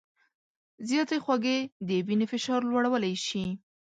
زیاتې خوږې د وینې فشار لوړولی شي.